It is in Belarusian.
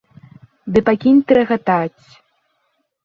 Ды пакінь ты рагатаць.